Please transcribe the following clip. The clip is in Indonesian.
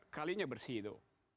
kalinya bersih itu